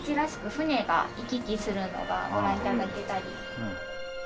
船が行き来するのがご覧頂けたり。